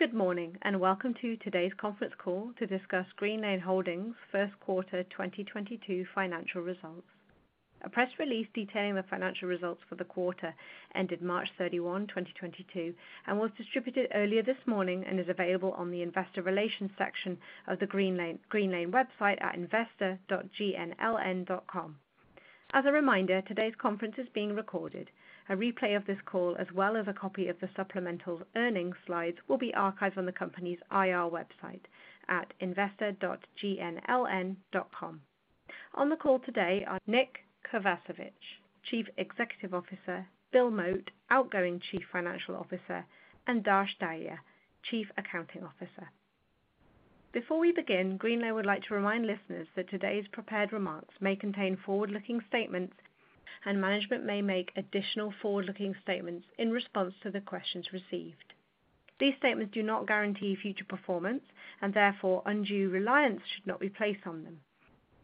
Good morning, and welcome to today's conference call to discuss Greenlane Holdings, Inc. Q1 2022 financial results. A press release detailing the financial results for the quarter ended March 31, 2022, was distributed earlier this morning and is available on the investor relations section of the Greenlane website at investor.gnln.com. As a reminder, today's conference is being recorded. A replay of this call, as well as a copy of the supplemental earnings slides, will be archived on the company's IR website at investor.gnln.com. On the call today are Nick Kovacevich, Chief Executive Officer, Bill Mote, outgoing Chief Financial Officer, and Darsh Dahya, Chief Accounting Officer. Before we begin, Greenlane would like to remind listeners that today's prepared remarks may contain forward-looking statements, and management may make additional forward-looking statements in response to the questions received. These statements do not guarantee future performance, and therefore undue reliance should not be placed on them.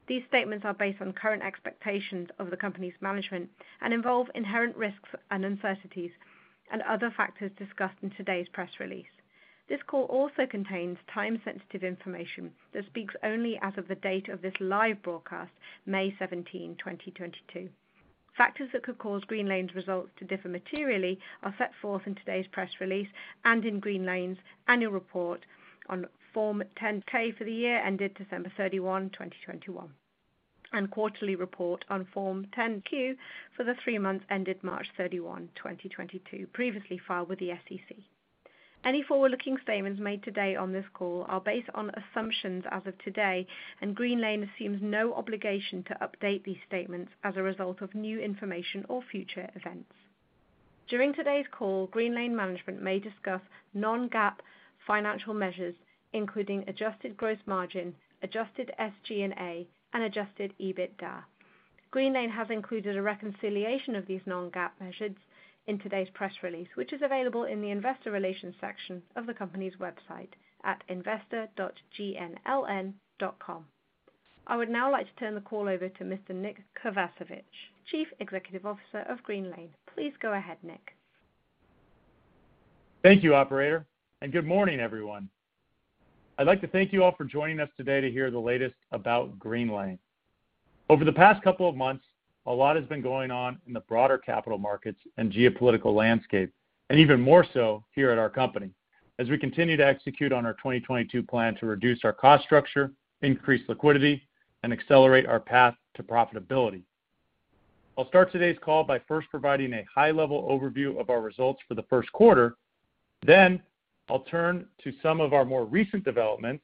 These statements are based on current expectations of the company's management and involve inherent risks and uncertainties and other factors discussed in today's press release. This call also contains time-sensitive information that speaks only as of the date of this live broadcast, May 17, 2022. Factors that could cause Greenlane's results to differ materially are set forth in today's press release and in Greenlane's Annual Report on Form 10-K for the year ended December 31, 2021, and Quarterly Report on Form 10-Q for the three months ended March 31, 2022, previously filed with the SEC. Any forward-looking statements made today on this call are based on assumptions as of today, and Greenlane assumes no obligation to update these statements as a result of new information or future events. During today's call, Greenlane management may discuss non-GAAP financial measures, including adjusted gross margin, adjusted SG&A, and adjusted EBITDA. Greenlane has included a reconciliation of these non-GAAP measures in today's press release, which is available in the investor relations section of the company's website at investor.gnln.com. I would now like to turn the call over to Mr. Nick Kovacevich, Chief Executive Officer of Greenlane. Please go ahead, Nick. Thank you, operator, and good morning, everyone. I'd like to thank you all for joining us today to hear the latest about Greenlane. Over the past couple of months, a lot has been going on in the broader capital markets and geopolitical landscape, and even more so here at our company as we continue to execute on our 2022 plan to reduce our cost structure, increase liquidity, and accelerate our path to profitability. I'll start today's call by first providing a high-level overview of our results for the Q1. Then I'll turn to some of our more recent developments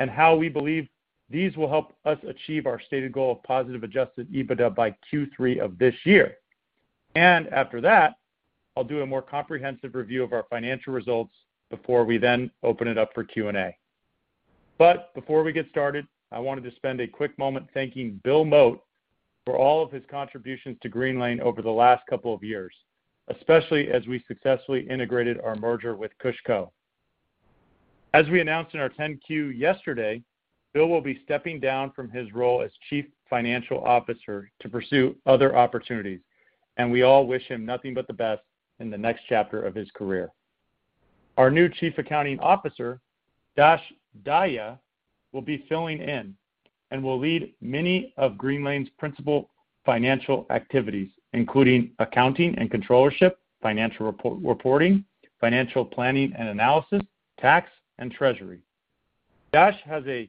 and how we believe these will help us achieve our stated goal of positive adjusted EBITDA by Q3 of this year. After that, I'll do a more comprehensive review of our financial results before we then open it up for Q&A. Before we get started, I wanted to spend a quick moment thanking Bill Mote for all of his contributions to Greenlane over the last couple of years, especially as we successfully integrated our merger with KushCo. As we announced in our 10-Q yesterday, Bill will be stepping down from his role as Chief Financial Officer to pursue other opportunities, and we all wish him nothing but the best in the next chapter of his career. Our new Chief Accounting Officer, Darsh Dahya, will be filling in and will lead many of Greenlane's principal financial activities, including accounting and controllership, financial reporting, financial planning and analysis, tax and treasury. Darsh has a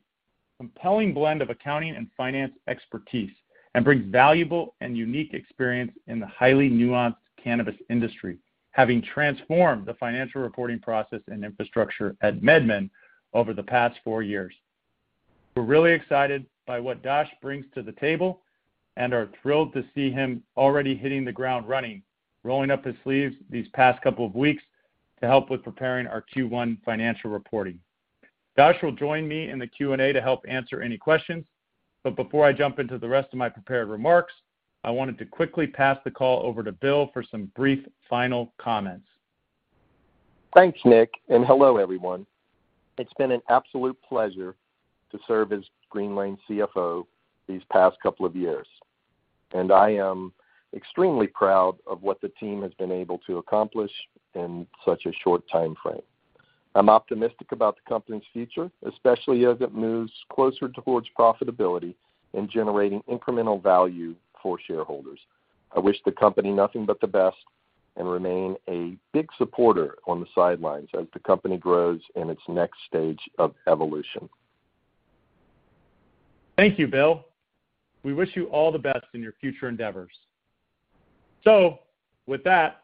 compelling blend of accounting and finance expertise and brings valuable and unique experience in the highly nuanced cannabis industry, having transformed the financial reporting process and infrastructure at MedMen over the past four years. We're really excited by what Darsh brings to the table and are thrilled to see him already hitting the ground running, rolling up his sleeves these past couple of weeks to help with preparing our Q1 financial reporting. Darsh will join me in the Q&A to help answer any questions, but before I jump into the rest of my prepared remarks, I wanted to quickly pass the call over to Bill for some brief final comments. Thanks, Nick, and hello, everyone. It's been an absolute pleasure to serve as Greenlane CFO these past couple of years, and I am extremely proud of what the team has been able to accomplish in such a short timeframe. I'm optimistic about the company's future, especially as it moves closer towards profitability and generating incremental value for shareholders. I wish the company nothing but the best and remain a big supporter on the sidelines as the company grows in its next stage of evolution. Thank you, Bill. We wish you all the best in your future endeavors. With that,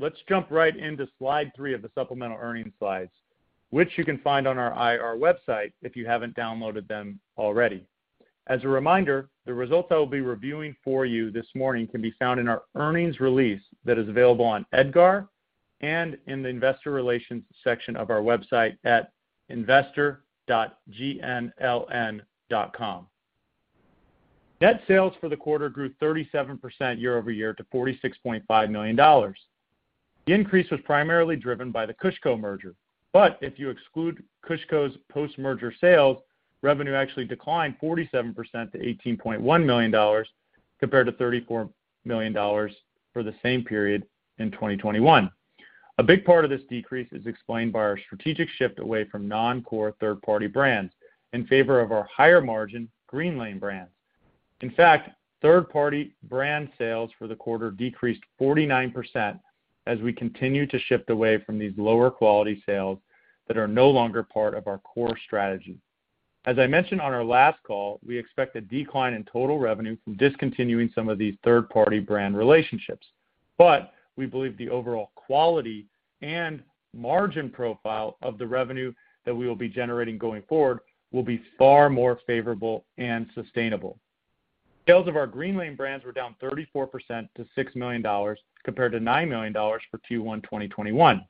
let's jump right into slide three of the supplemental earnings slides, which you can find on our IR website if you haven't downloaded them already. As a reminder, the results I will be reviewing for you this morning can be found in our earnings release that is available on EDGAR and in the investor relations section of our website at investor.gnln.com. Net sales for the quarter grew 37% year-over-year to $46.5 million. The increase was primarily driven by the KushCo merger, but if you exclude KushCo's post-merger sales, revenue actually declined 47% to $18.1 million. Compared to $34 million for the same period in 2021. A big part of this decrease is explained by our strategic shift away from non-core third-party brands in favor of our higher margin Greenlane brands. In fact, third-party brand sales for the quarter decreased 49% as we continue to shift away from these lower quality sales that are no longer part of our core strategy. As I mentioned on our last call, we expect a decline in total revenue from discontinuing some of these third-party brand relationships, but we believe the overall quality and margin profile of the revenue that we will be generating going forward will be far more favorable and sustainable. Sales of our Greenlane brands were down 34% to $6 million, compared to $9 million for Q1 2021.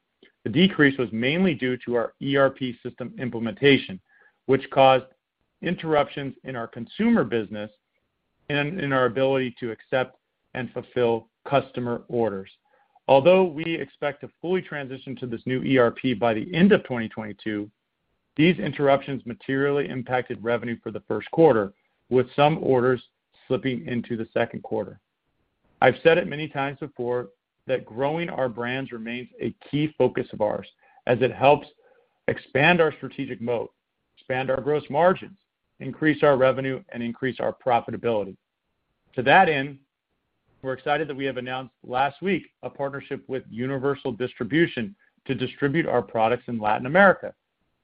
The decrease was mainly due to our ERP system implementation, which caused interruptions in our consumer business and in our ability to accept and fulfill customer orders. Although we expect to fully transition to this new ERP by the end of 2022, these interruptions materially impacted revenue for the Q1, with some orders slipping into the Q2. I've said it many times before that growing our brands remains a key focus of ours as it helps expand our strategic moat, expand our gross margins, increase our revenue, and increase our profitability. To that end, we're excited that we have announced last week a partnership with Universal Distribution to distribute our products in Latin America.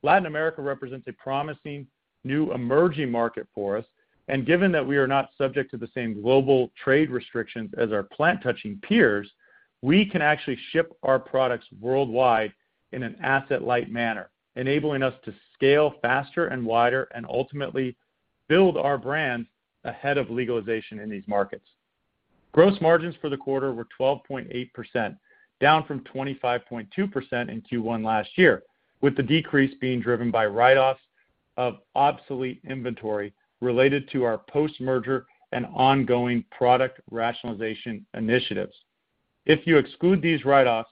Latin America represents a promising new emerging market for us, and given that we are not subject to the same global trade restrictions as our plant-touching peers, we can actually ship our products worldwide in an asset-light manner, enabling us to scale faster and wider and ultimately build our brands ahead of legalization in these markets. Gross margins for the quarter were 12.8%, down from 25.2% in Q1 last year, with the decrease being driven by write-offs of obsolete inventory related to our post-merger and ongoing product rationalization initiatives. If you exclude these write-offs,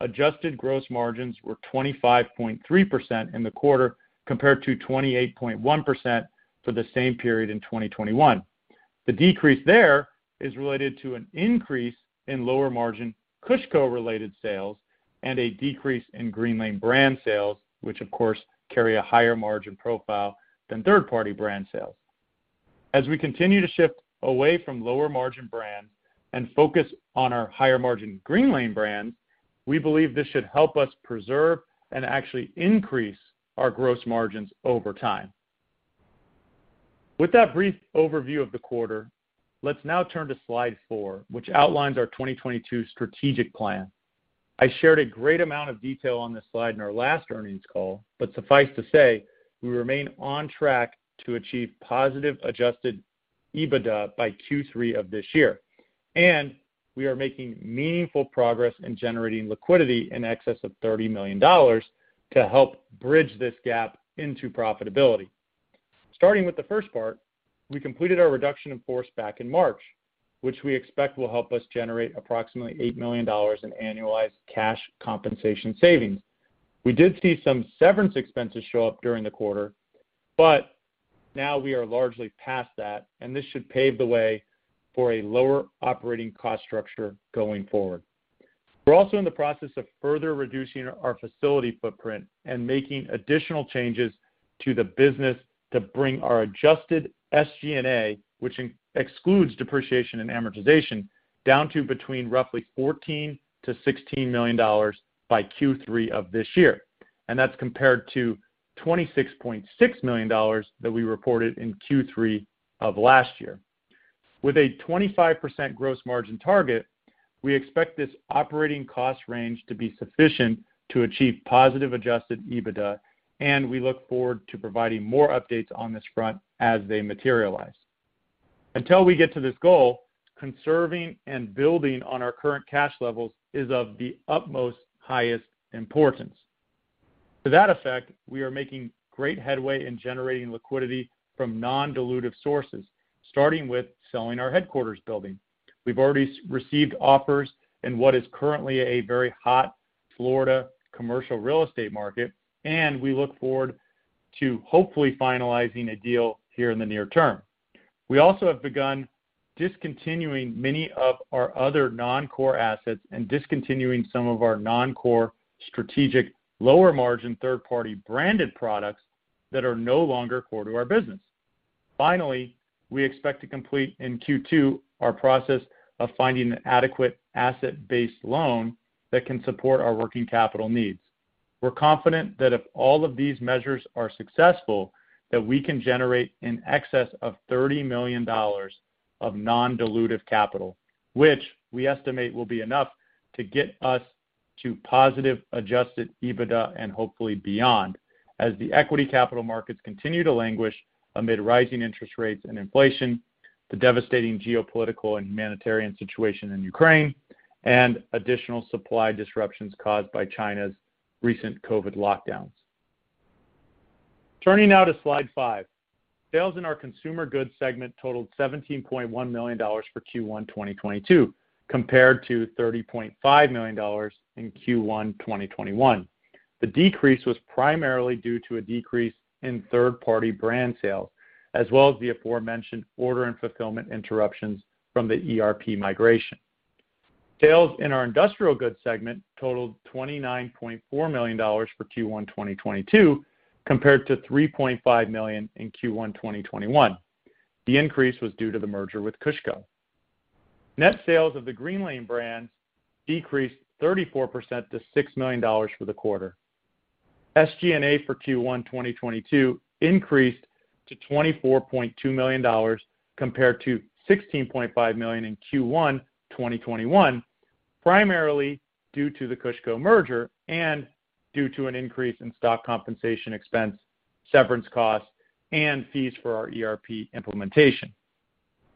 adjusted gross margins were 25.3% in the quarter, compared to 28.1% for the same period in 2021. The decrease there is related to an increase in lower margin KushCo-related sales and a decrease in Greenlane brand sales, which of course carry a higher margin profile than third-party brand sales. As we continue to shift away from lower margin brands and focus on our higher margin Greenlane brands, we believe this should help us preserve and actually increase our gross margins over time. With that brief overview of the quarter, let's now turn to slide 4, which outlines our 2022 strategic plan. I shared a great amount of detail on this slide in our last earnings call, but suffice to say, we remain on track to achieve positive adjusted EBITDA by Q3 of this year, and we are making meaningful progress in generating liquidity in excess of $30 million to help bridge this gap into profitability. Starting with the first part, we completed our reduction in force back in March, which we expect will help us generate approximately $8 million in annualized cash compensation savings. We did see some severance expenses show up during the quarter, but now we are largely past that, and this should pave the way for a lower operating cost structure going forward. We're also in the process of further reducing our facility footprint and making additional changes to the business to bring our adjusted SG&A, which excludes depreciation and amortization, down to between roughly $14-$16 million by Q3 of this year. That's compared to $26.6 million that we reported in Q3 of last year. With a 25% gross margin target, we expect this operating cost range to be sufficient to achieve positive adjusted EBITDA, and we look forward to providing more updates on this front as they materialize. Until we get to this goal, conserving and building on our current cash levels is of the utmost highest importance. To that effect, we are making great headway in generating liquidity from non-dilutive sources, starting with selling our headquarters building. We've already received offers in what is currently a very hot Florida commercial real estate market, and we look forward to hopefully finalizing a deal here in the near term. We also have begun discontinuing many of our other non-core assets and discontinuing some of our non-core strategic lower margin third-party branded products that are no longer core to our business. Finally, we expect to complete in Q2 our process of finding an adequate asset-based loan that can support our working capital needs. We're confident that if all of these measures are successful, that we can generate in excess of $30 million of non-dilutive capital, which we estimate will be enough to get us to positive adjusted EBITDA and hopefully beyond as the equity capital markets continue to languish amid rising interest rates and inflation, the devastating geopolitical and humanitarian situation in Ukraine, and additional supply disruptions caused by China's recent COVID lockdowns. Turning now to slide 5. Sales in our consumer goods segment totaled $17.1 million for Q1 2022, compared to $30.5 million in Q1 2021. The decrease was primarily due to a decrease in third-party brand sales, as well as the aforementioned order and fulfillment interruptions from the ERP migration. Sales in our industrial goods segment totaled $29.4 million for Q1 2022 compared to $3.5 million in Q1 2021. The increase was due to the merger with KushCo. Net sales of the Greenlane brands decreased 34% to $6 million for the quarter. SG&A for Q1 2022 increased to $24.2 million compared to $16.5 million in Q1 2021, primarily due to the KushCo merger and due to an increase in stock compensation expense, severance costs, and fees for our ERP implementation.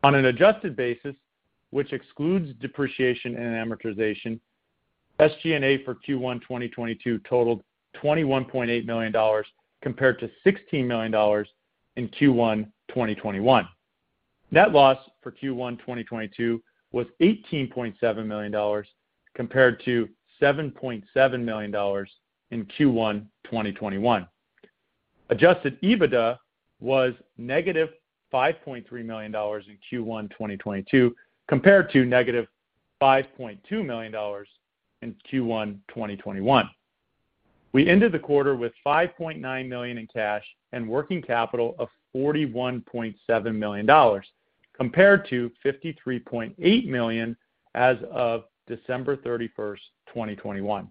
On an adjusted basis, which excludes depreciation and amortization, SG&A for Q1 2022 totaled $21.8 million compared to $16 million in Q1 2021. Net loss for Q1 2022 was $18.7 million compared to $7.7 million in Q1 2021. Adjusted EBITDA was negative $5.3 million in Q1 2022 compared to negative $5.2 million in Q1 2021. We ended the quarter with $5.9 million in cash and working capital of $41.7 million compared to $53.8 million as of December 31, 2021.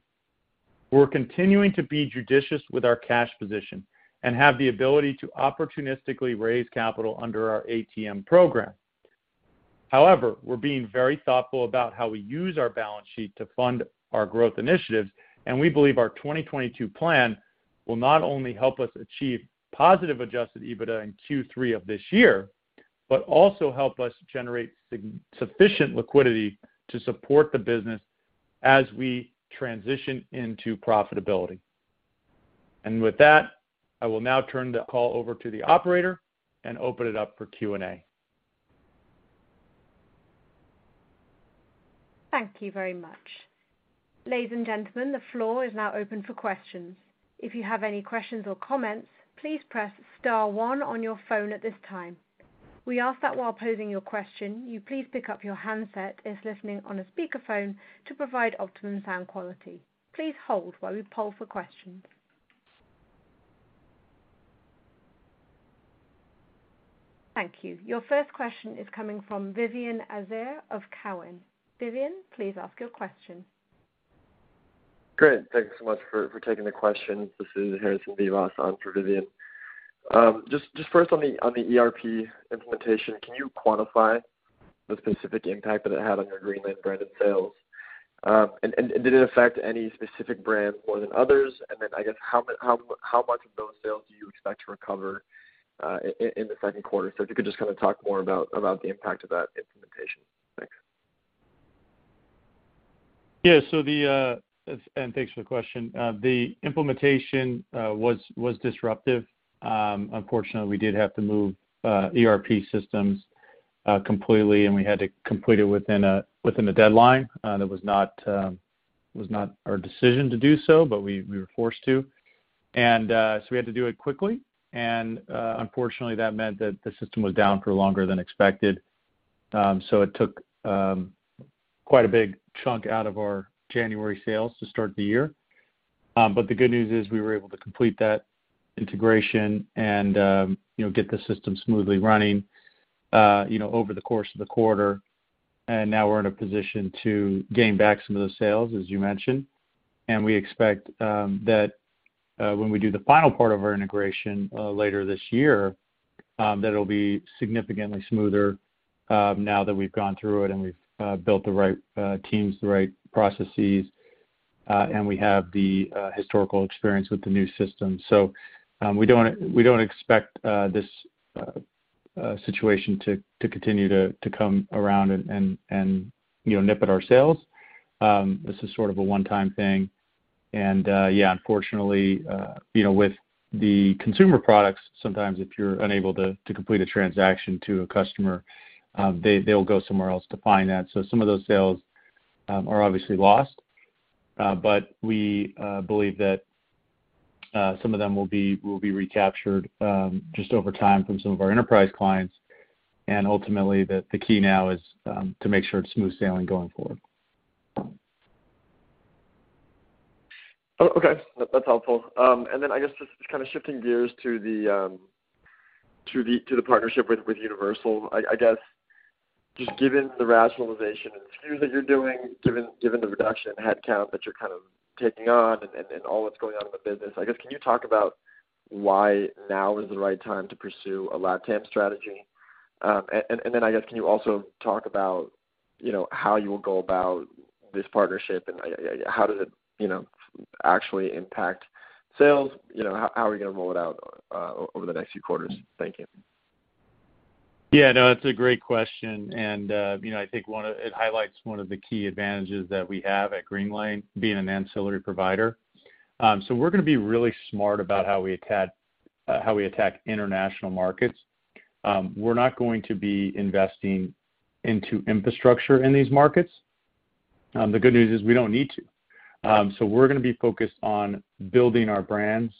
We're continuing to be judicious with our cash position and have the ability to opportunistically raise capital under our ATM program. However, we're being very thoughtful about how we use our balance sheet to fund our growth initiatives, and we believe our 2022 plan will not only help us achieve positive adjusted EBITDA in Q3 of this year, but also help us generate sufficient liquidity to support the business as we transition into profitability. With that, I will now turn the call over to the operator and open it up for Q&A. Thank you very much. Ladies and gentlemen, the floor is now open for questions. If you have any questions or comments, please press star one on your phone at this time. We ask that while posing your question, you please pick up your handset if listening on a speakerphone to provide optimum sound quality. Please hold while we poll for questions. Thank you. Your first question is coming from Vivien Azer of Cowen. Vivien, please ask your question. Great. Thank you so much for taking the question. This is Harrison Vivas for Vivien Azer. Just first on the ERP implementation, can you quantify the specific impact that it had on your Greenlane branded sales? Did it affect any specific brand more than others? I guess, how much of those sales do you expect to recover in the Q2? If you could just kinda talk more about the impact of that implementation. Thanks. Yeah. Thanks for the question. The implementation was disruptive. Unfortunately, we did have to move ERP systems completely, and we had to complete it within the deadline. That was not our decision to do so, but we were forced to. We had to do it quickly. Unfortunately, that meant that the system was down for longer than expected. It took quite a big chunk out of our January sales to start the year. The good news is we were able to complete that integration and you know, get the system smoothly running you know, over the course of the quarter. Now we're in a position to gain back some of the sales, as you mentioned. We expect that when we do the final part of our integration later this year that it'll be significantly smoother now that we've gone through it and we've built the right teams, the right processes, and we have the historical experience with the new system. We don't expect this situation to continue to come around and, you know, nip at our sales. This is sort of a one-time thing. Yeah, unfortunately, you know, with the consumer products, sometimes if you're unable to complete a transaction to a customer, they'll go somewhere else to find that. Some of those sales are obviously lost. We believe that some of them will be recaptured just over time from some of our enterprise clients. Ultimately, the key now is to make sure it's smooth sailing going forward. Oh, okay. That's helpful. I guess just kinda shifting gears to the partnership with Universal. I guess, just given the rationalization and the SKUs that you're doing, given the reduction in headcount that you're kind of taking on and all what's going on in the business, I guess, can you talk about why now is the right time to pursue a LATAM strategy? I guess, can you also talk about, you know, how you will go about this partnership and, like, how does it, you know, actually impact sales? You know, how are we gonna roll it out over the next few quarters? Thank you. Yeah, no, it's a great question. You know, I think it highlights one of the key advantages that we have at Greenlane being an ancillary provider. We're gonna be really smart about how we attack international markets. We're not going to be investing into infrastructure in these markets. The good news is we don't need to. We're gonna be focused on building our brands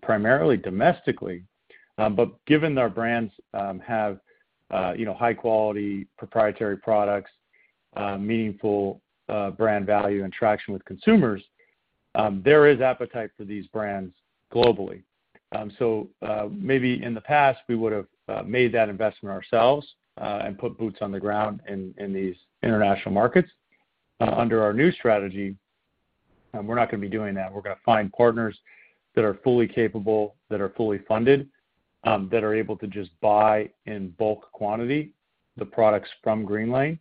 primarily domestically. Given our brands have you know high quality proprietary products meaningful brand value and traction with consumers there is appetite for these brands globally. Maybe in the past, we would've made that investment ourselves and put boots on the ground in these international markets. Under our new strategy, we're not gonna be doing that. We're gonna find partners that are fully capable, that are fully funded, that are able to just buy in bulk quantity, the products from Greenlane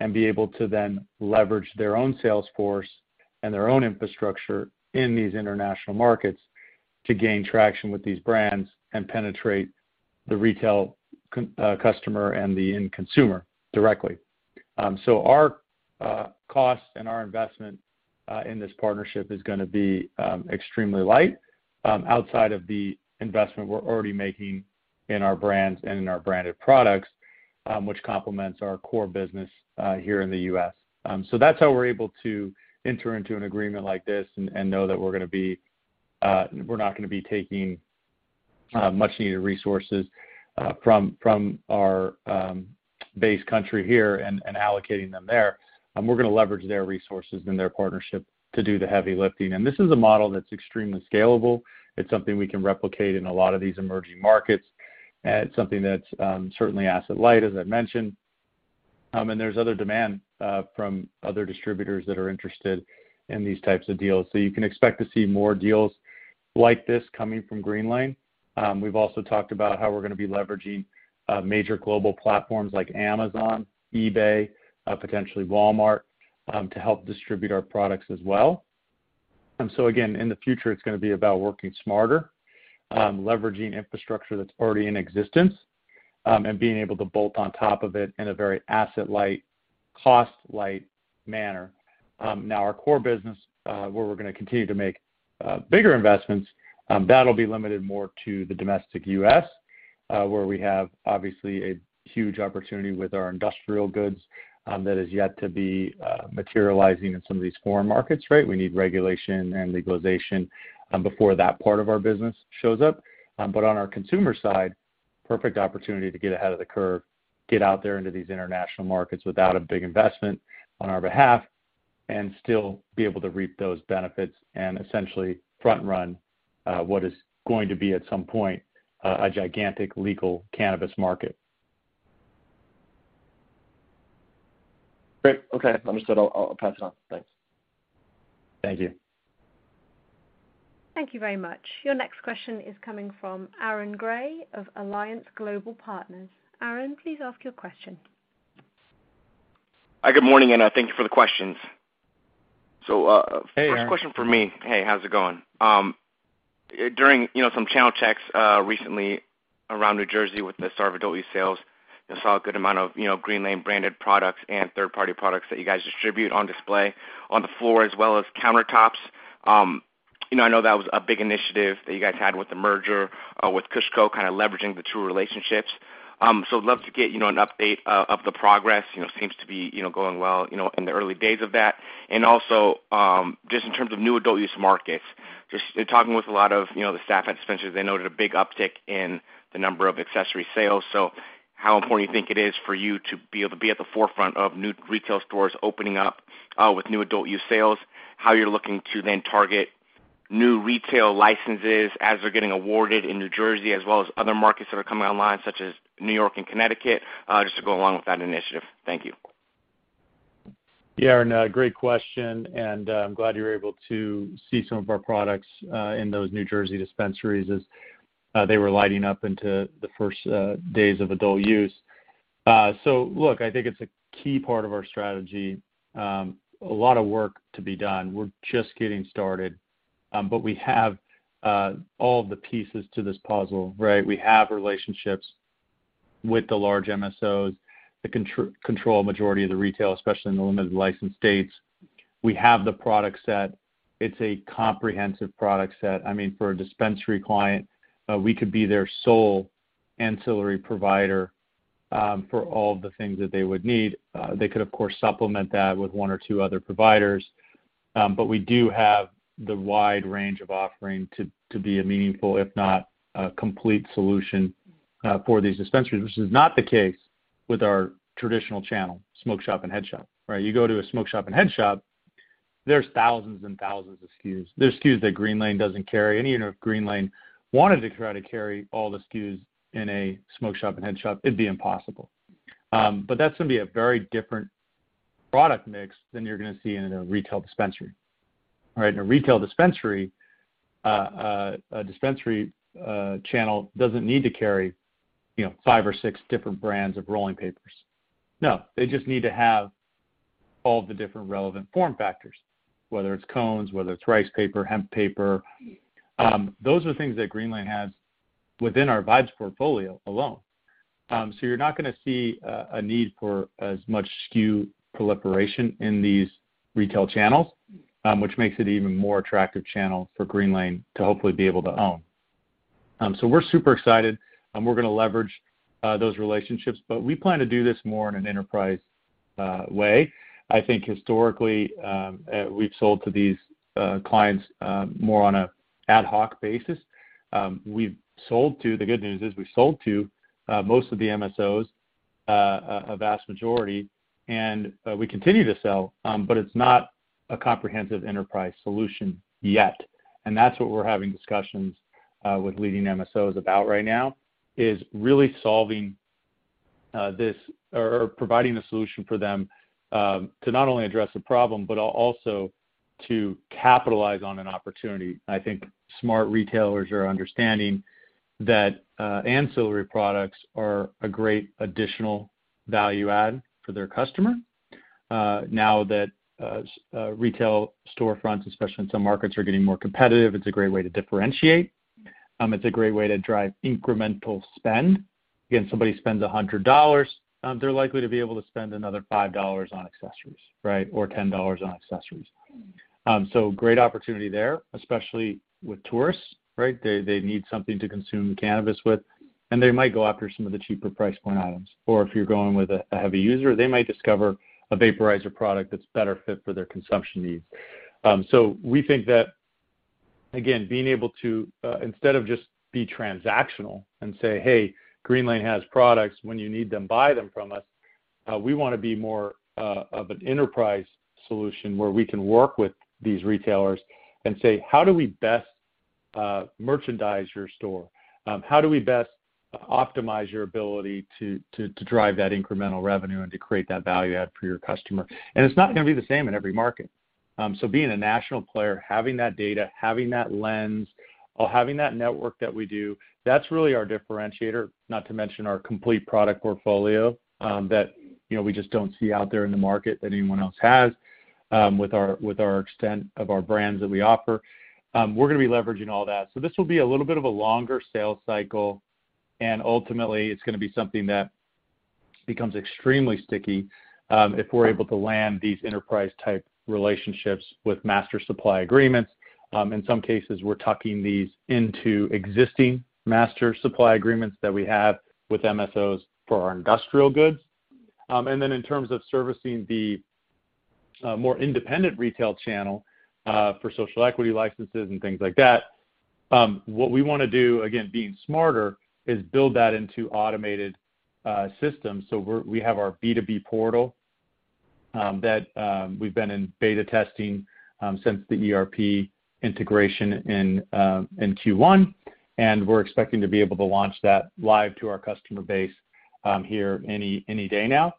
and be able to then leverage their own sales force and their own infrastructure in these international markets to gain traction with these brands and penetrate the retail customer and the end consumer directly. Our cost and our investment in this partnership is gonna be extremely light, outside of the investment we're already making in our brands and in our branded products, which complements our core business here in the US. That's how we're able to enter into an agreement like this and know that we're not gonna be taking much-needed resources from our base country here and allocating them there. We're gonna leverage their resources and their partnership to do the heavy lifting. This is a model that's extremely scalable. It's something we can replicate in a lot of these emerging markets, and it's something that's certainly asset light, as I mentioned. There's other demand from other distributors that are interested in these types of deals. You can expect to see more deals like this coming from Greenlane. We've also talked about how we're gonna be leveraging major global platforms like Amazon, eBay, potentially Walmart, to help distribute our products as well. Again, in the future, it's gonna be about working smarter, leveraging infrastructure that's already in existence, and being able to bolt on top of it in a very asset-light, cost-light manner. Now our core business, where we're gonna continue to make bigger investments, that'll be limited more to the domestic U.S., where we have obviously a huge opportunity with our industrial goods, that is yet to be materializing in some of these foreign markets, right? We need regulation and legalization before that part of our business shows up. On our consumer side, perfect opportunity to get ahead of the curve, get out there into these international markets without a big investment on our behalf, and still be able to reap those benefits and essentially front run what is going to be at some point a gigantic legal cannabis market. Great. Okay. Understood. I'll pass it on. Thanks. Thank you. Thank you very much. Your next question is coming from Aaron Grey of Alliance Global Partners. Aaron, please ask your question. Hi, good morning, and thank you for the questions. Hey, Aaron. First question from me. Hey, how's it going? During, you know, some channel checks, recently around New Jersey with the start of adult use sales, I saw a good amount of, you know, Greenlane branded products and third-party products that you guys distribute on display on the floor as well as countertops. You know, I know that was a big initiative that you guys had with the merger, with KushCo, kind of leveraging the two relationships. So love to get, you know, an update of the progress. You know, seems to be, you know, going well, you know, in the early days of that. Also, just in terms of new adult use markets, just in talking with a lot of, you know, the staff at dispensaries, they noted a big uptick in the number of accessory sales. How important you think it is for you to be able to be at the forefront of new retail stores opening up, with new adult use sales, how you're looking to then target new retail licenses as they're getting awarded in New Jersey as well as other markets that are coming online, such as New York and Connecticut, just to go along with that initiative? Thank you. Great question, and I'm glad you were able to see some of our products in those New Jersey dispensaries as they were lighting up into the first days of adult use. Look, I think it's a key part of our strategy. A lot of work to be done. We're just getting started. We have all the pieces to this puzzle, right? We have relationships with the large MSOs that control a majority of the retail, especially in the limited license states. We have the product set. It's a comprehensive product set. I mean, for a dispensary client, we could be their sole ancillary provider for all of the things that they would need. They could, of course, supplement that with one or two other providers. We do have the wide range of offering to be a meaningful, if not a complete solution, for these dispensaries, which is not the case with our traditional channel, smoke shop and head shop, right? You go to a smoke shop and head shop, there's thousands and thousands of SKUs. There's SKUs that Greenlane doesn't carry. Even if Greenlane wanted to try to carry all the SKUs in a smoke shop and head shop, it'd be impossible. That's gonna be a very different product mix than you're gonna see in a retail dispensary. Right? In a retail dispensary channel doesn't need to carry, you know, five or six different brands of rolling papers. No, they just need to have all the different relevant form factors, whether it's cones, whether it's rice paper, hemp paper. Those are things that Greenlane has within our VIBES portfolio alone. So you're not gonna see a need for as much SKU proliferation in these retail channels. Which makes it even more attractive channel for Greenlane to hopefully be able to own. So we're super excited, and we're gonna leverage those relationships, but we plan to do this more in an enterprise way. I think historically, we've sold to these clients more on a ad hoc basis. We've sold to... The good news is we sold to most of the MSOs a vast majority, and we continue to sell, but it's not a comprehensive enterprise solution yet. That's what we're having discussions with leading MSOs about right now, is really solving this or providing the solution for them to not only address the problem, but also to capitalize on an opportunity. I think smart retailers are understanding that ancillary products are a great additional value add for their customer. Now that retail storefronts, especially in some markets, are getting more competitive, it's a great way to differentiate. It's a great way to drive incremental spend. Again, somebody spends $100, they're likely to be able to spend another $5 on accessories, right? Or $10 on accessories. Great opportunity there, especially with tourists, right? They need something to consume cannabis with, and they might go after some of the cheaper price point items. If you're going with a heavy user, they might discover a vaporizer product that's better fit for their consumption needs. We think that again, being able to instead of just be transactional and say, "Hey, Greenlane has products. When you need them, buy them from us." We wanna be more of an enterprise solution where we can work with these retailers and say, "How do we best merchandise your store? How do we best optimize your ability to drive that incremental revenue and to create that value add for your customer?" It's not gonna be the same in every market. Being a national player, having that data, having that lens, or having that network that we do, that's really our differentiator. Not to mention our complete product portfolio, that, you know, we just don't see out there in the market that anyone else has, with our extent of our brands that we offer. We're gonna be leveraging all that. This will be a little bit of a longer sales cycle, and ultimately, it's gonna be something that becomes extremely sticky, if we're able to land these enterprise-type relationships with master supply agreements. In some cases, we're tucking these into existing master supply agreements that we have with MSOs for our industrial goods. In terms of servicing the more independent retail channel for social equity licenses and things like that, what we wanna do, again, being smarter, is build that into automated systems. We have our B2B portal that we've been in beta testing since the ERP integration in Q1, and we're expecting to be able to launch that live to our customer base here any day now.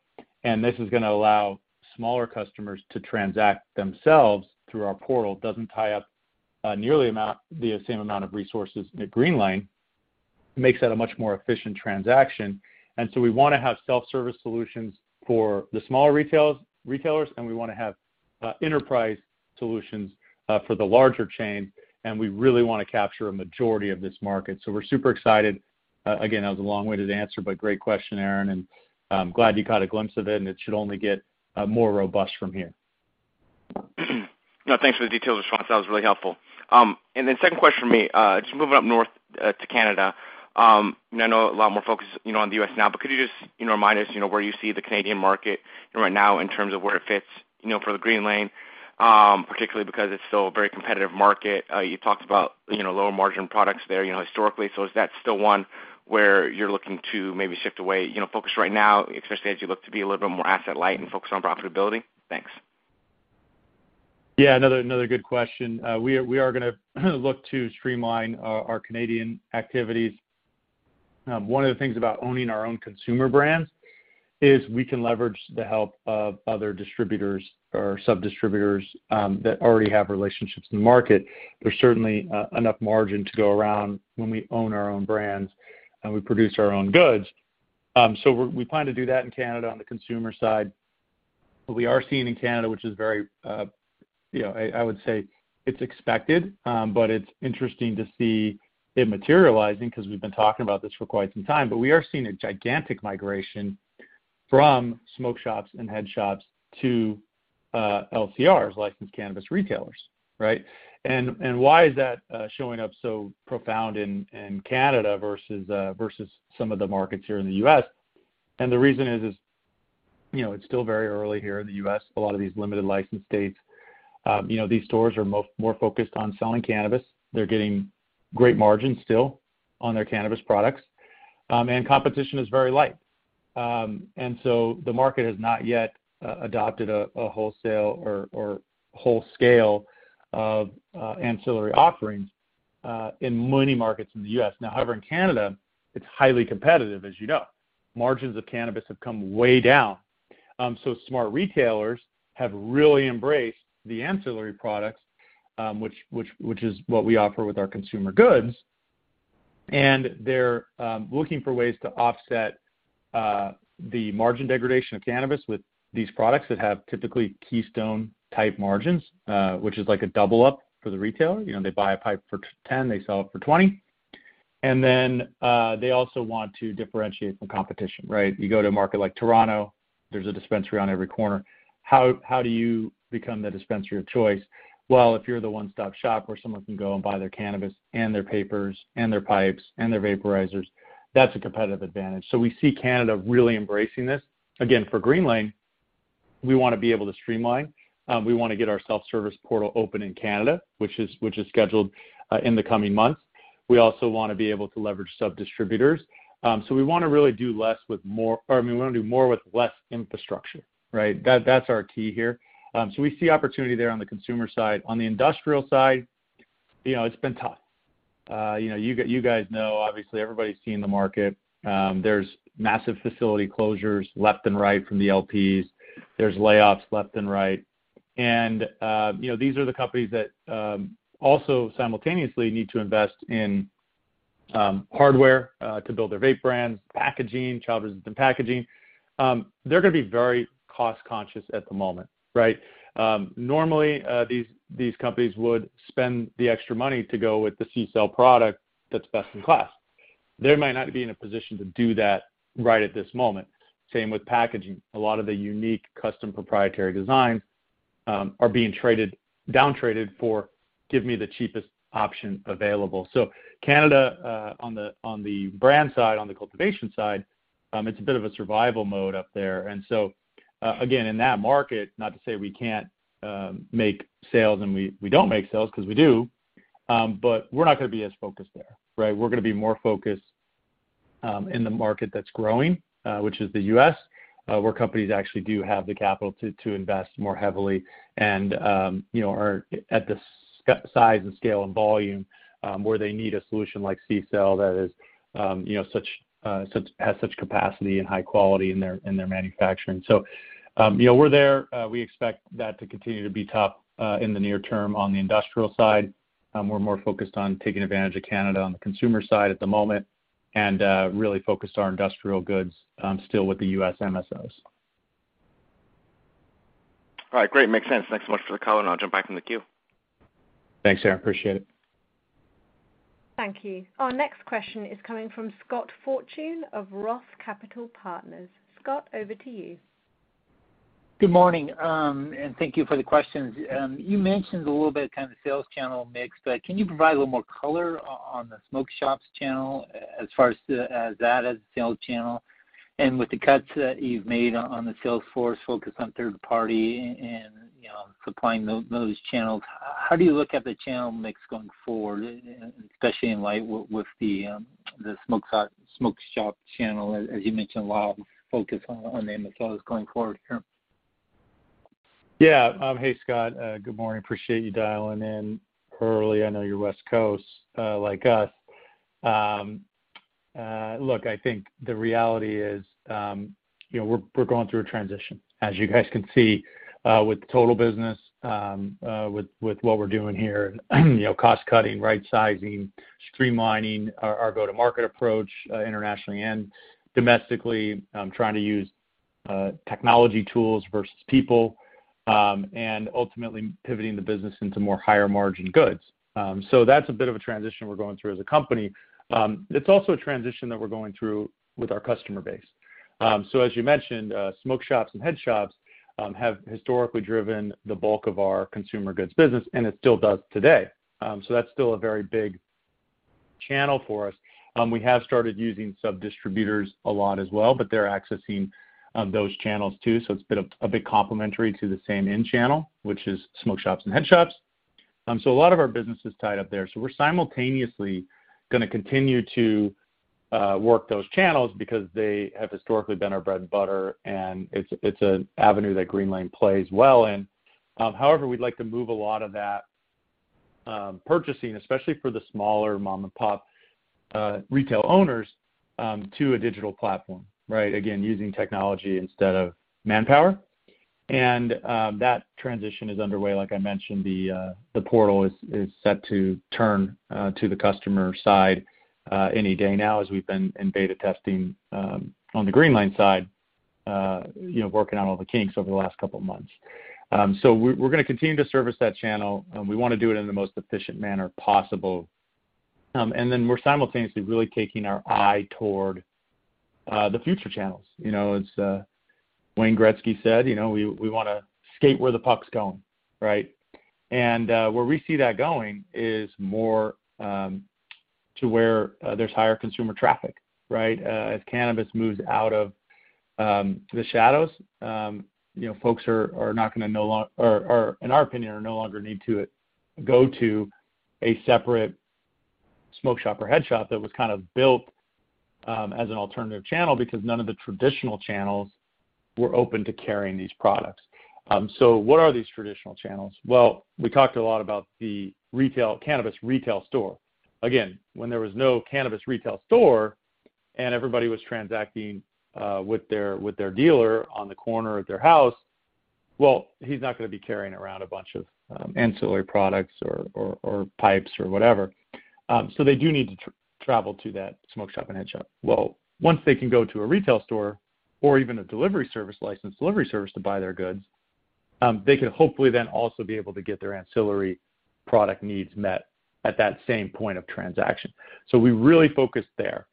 This is gonna allow smaller customers to transact themselves through our portal. Doesn't tie up nearly the same amount of resources at Greenlane. Makes that a much more efficient transaction. We wanna have self-service solutions for the smaller retailers, and we wanna have enterprise solutions for the larger chain, and we really wanna capture a majority of this market. We're super excited. Again, that was a long-winded answer, but great question, Aaron, and I'm glad you caught a glimpse of it, and it should only get more robust from here. No, thanks for the details, Nick. That was really helpful. Second question from me, just moving up north to Canada, and I know a lot more focus, you know, on the U.S. now, but could you just, you know, remind us, you know, where you see the Canadian market, you know, right now in terms of where it fits, you know, for Greenlane, particularly because it's still a very competitive market. You talked about, you know, lower margin products there, you know, historically. Is that still one where you're looking to maybe shift away, you know, focus right now, especially as you look to be a little bit more asset light and focused on profitability? Thanks. Yeah, another good question. We are gonna look to streamline our Canadian activities. One of the things about owning our own consumer brands is we can leverage the help of other distributors or sub-distributors that already have relationships in the market. There's certainly enough margin to go around when we own our own brands and we produce our own goods. We plan to do that in Canada on the consumer side. What we are seeing in Canada, which is very, you know, I would say it's expected, but it's interesting to see it materializing because we've been talking about this for quite some time. We are seeing a gigantic migration from smoke shops and head shops to LCRs, licensed cannabis retailers, right? Why is that showing up so profoundly in Canada versus some of the markets here in the U.S.? The reason is, you know, it's still very early here in the US, a lot of these limited license states. You know, these stores are more focused on selling cannabis. They're getting great margins still on their cannabis products, and competition is very light. The market has not yet adopted a wholesale or wholesale scale of ancillary offerings in many markets in the U.S. Now, however, in Canada, it's highly competitive, as you know. Margins of cannabis have come way down. Smart retailers have really embraced the ancillary products, which is what we offer with our consumer goods. They're looking for ways to offset the margin degradation of cannabis with these products that have typically keystone-type margins, which is like a double-up for the retailer. You know, they buy a pipe for $10, they sell it for $20. Then, they also want to differentiate from competition, right? You go to a market like Toronto, there's a dispensary on every corner. How do you become the dispensary of choice? Well, if you're the one-stop shop where someone can go and buy their cannabis and their papers and their pipes and their vaporizers, that's a competitive advantage. We see Canada really embracing this. Again, for Greenlane, we wanna be able to streamline. We wanna get our self-service portal open in Canada, which is scheduled in the coming months. We also wanna be able to leverage sub-distributors. We wanna really do less with more, or I mean, we wanna do more with less infrastructure, right? That’s our key here. We see opportunity there on the consumer side. On the industrial side, you know, it’s been tough. You know, you guys know, obviously, everybody’s seen the market. There’s massive facility closures left and right from the LPs. There’s layoffs left and right. You know, these are the companies that also simultaneously need to invest in hardware to build their vape brands, packaging, child-resistant packaging. They’re gonna be very cost-conscious at the moment, right? Normally, these companies would spend the extra money to go with the CCELL product that’s best in class. They might not be in a position to do that right at this moment. Same with packaging. A lot of the unique custom proprietary designs are being downtraded for "give me the cheapest option available." Canada, on the brand side, on the cultivation side, it's a bit of a survival mode up there. Again, in that market, not to say we can't make sales and we don't make sales because we do, but we're not gonna be as focused there, right? We're gonna be more focused in the market that's growing, which is the U.S., where companies actually do have the capital to invest more heavily and, you know, are at the size and scale and volume where they need a solution like CCELL that is, you know, such has such capacity and high quality in their manufacturing. You know, we're there. We expect that to continue to be tough in the near term on the industrial side. We're more focused on taking advantage of Canada on the consumer side at the moment and really focused on industrial goods still with the U.S. MSOs. All right, great. Makes sense. Thanks so much for the call, and I'll jump back in the queue. Thanks, Aaron. Appreciate it. Thank you. Our next question is coming from Scott Fortune of ROTH Capital Partners. Scott, over to you. Good morning, and thank you for the questions. You mentioned a little bit kind of the sales channel mix, but can you provide a little more color on the smoke shops channel as far as that as a sales channel? With the cuts that you've made on the sales force focused on third party and, you know, supplying those channels, how do you look at the channel mix going forward, especially in light with the smoke shop channel, as you mentioned, a lot of focus on the MSOs going forward here? Yeah. Hey, Scott. Good morning. Appreciate you dialing in early. I know you're West Coast, like us. Look, I think the reality is, you know, we're going through a transition. As you guys can see, with the total business, with what we're doing here, you know, cost cutting, right sizing, streamlining our go-to-market approach, internationally and domestically, trying to use technology tools versus people, and ultimately pivoting the business into more higher margin goods. So that's a bit of a transition we're going through as a company. It's also a transition that we're going through with our customer base. So as you mentioned, smoke shops and head shops have historically driven the bulk of our consumer goods business, and it still does today. That's still a very big channel for us. We have started using sub-distributors a lot as well, but they're accessing those channels too. It's been a big complement to the same end channel, which is smoke shops and head shops. A lot of our business is tied up there. We're simultaneously gonna continue to work those channels because they have historically been our bread and butter, and it's an avenue that Greenlane plays well in. However, we'd like to move a lot of that purchasing, especially for the smaller mom and pop retail owners, to a digital platform, right? Again, using technology instead of manpower. That transition is underway. Like I mentioned, the portal is set to turn to the customer side any day now as we've been in beta testing on the Greenlane side, you know, working out all the kinks over the last couple of months. So we're gonna continue to service that channel, and we wanna do it in the most efficient manner possible. We're simultaneously really taking our eye toward the future channels. You know, as Wayne Gretzky said, you know, we wanna skate where the puck's going, right? Where we see that going is more to where there's higher consumer traffic, right? As cannabis moves out of the shadows, you know, folks are in our opinion no longer need to go to a separate smoke shop or head shop that was kind of built as an alternative channel because none of the traditional channels were open to carrying these products. What are these traditional channels? Well, we talked a lot about the retail cannabis retail store. Again, when there was no cannabis retail store and everybody was transacting with their dealer on the corner of their house, well, he's not gonna be carrying around a bunch of ancillary products or pipes or whatever. They do need to travel to that smoke shop and head shop. Well, once they can go to a retail store or even a delivery service to buy their goods, they can hopefully then also be able to get their ancillary product needs met at that same point of transaction. We really focus there.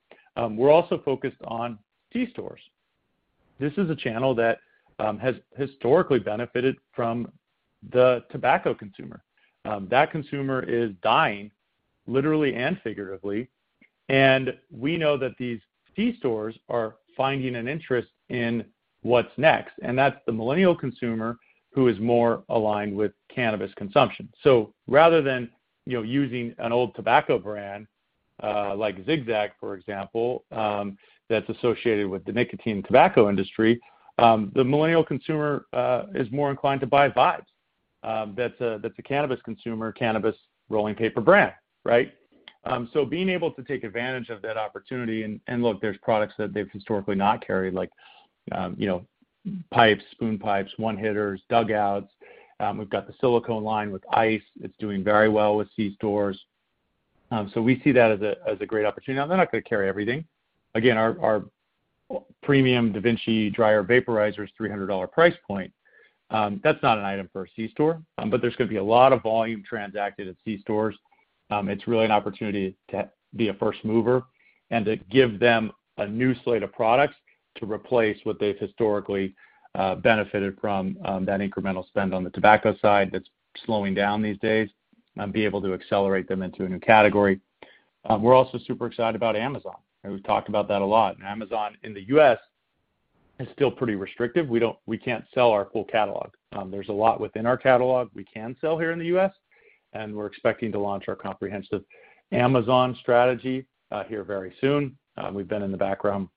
We're also focused on C stores. This is a channel that has historically benefited from the tobacco consumer. That consumer is dying, literally and figuratively. We know that these C stores are finding an interest in what's next, and that's the millennial consumer who is more aligned with cannabis consumption. Rather than, you know, using an old tobacco brand like Zig-Zag, for example, that's associated with the nicotine tobacco industry, the millennial consumer is more inclined to buy VIBES. That's a cannabis consumer cannabis rolling paper brand, right? Being able to take advantage of that opportunity and look, there's products that they've historically not carried, like, you know, pipes, spoon pipes, one-hitters, dugouts. We've got the silicone line with Eyce. It's doing very well with C stores. We see that as a great opportunity. Now they're not gonna carry everything. Again, our premium DaVinci dry herb vaporizer is $300 price point. That's not an item for a C store, but there's gonna be a lot of volume transacted at C stores. It's really an opportunity to be a first mover and to give them a new slate of products to replace what they've historically benefited from, that incremental spend on the tobacco side that's slowing down these days, be able to accelerate them into a new category. We're also super excited about Amazon, and we've talked about that a lot. Amazon in the U.S. is still pretty restrictive. We can't sell our full catalog. There's a lot within our catalog we can sell here in the U.S., and we're expecting to launch our comprehensive Amazon strategy here very soon. We've been in the background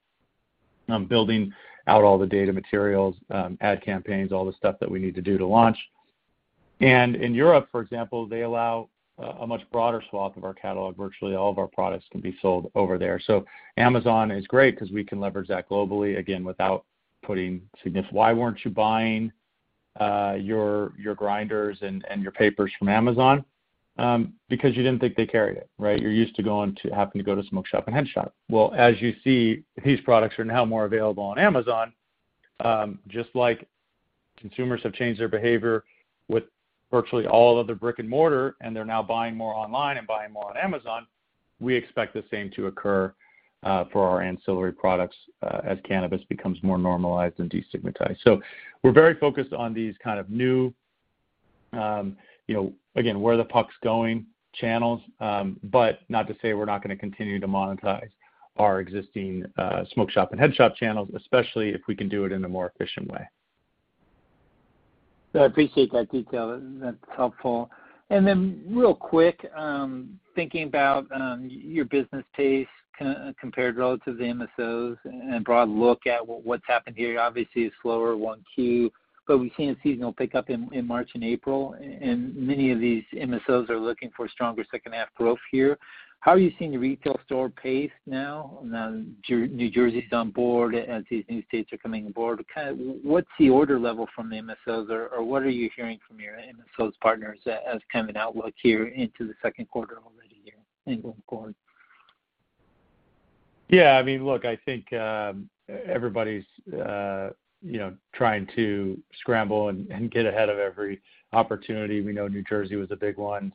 building out all the data materials ad campaigns, all the stuff that we need to do to launch. In Europe, for example, they allow a much broader swath of our catalog. Virtually all of our products can be sold over there. So Amazon is great because we can leverage that globally, again, without putting signif- Why weren't you buying your grinders and your papers from Amazon? Because you didn't think they carried it, right? You're used to going to smoke shop and head shop. Well, as you see, these products are now more available on Amazon. Just like consumers have changed their behavior with virtually all other brick-and-mortar, and they're now buying more online and buying more on Amazon, we expect the same to occur for our ancillary products as cannabis becomes more normalized and destigmatized. We're very focused on these kind of new, you know, again, where the puck's going channels. Not to say we're not gonna continue to monetize our existing smoke shop and head shop channels, especially if we can do it in a more efficient way. I appreciate that detail. That's helpful. Real quick, thinking about your business pace compared relative to the MSOs and broad look at what's happened here, obviously a slower 1Q, but we see a seasonal pickup in March and April. Many of these MSOs are looking for stronger H2 growth here. How are you seeing the retail store pace now? Now New Jersey's on board, as these new states are coming on board. Kind of what's the order level from the MSOs or what are you hearing from your MSOs partners as kind of an outlook here into the Q2 already here and going forward? Yeah, I mean, look, I think everybody's you know, trying to scramble and get ahead of every opportunity. We know New Jersey was a big one.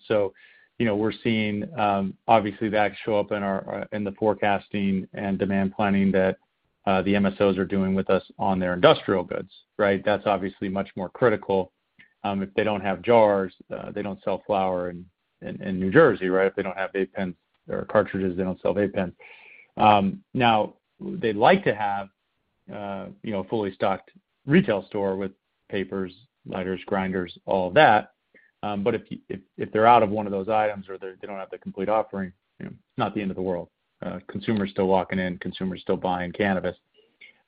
You know, we're seeing obviously that show up in our in the forecasting and demand planning that the MSOs are doing with us on their industrial goods, right? That's obviously much more critical. If they don't have jars, they don't sell flower in New Jersey, right? If they don't have vape pens or cartridges, they don't sell vape pens. Now they'd like to have you know, a fully stocked retail store with papers, lighters, grinders, all of that. But if they're out of one of those items or they don't have the complete offering, you know, it's not the end of the world. Consumers still walking in, consumers still buying cannabis.